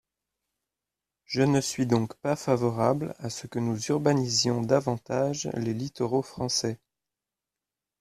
Je ne suis donc pas favorable à ce que nous urbanisions davantage les littoraux français.